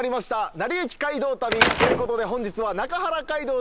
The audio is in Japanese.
『なりゆき街道旅』ということで本日は。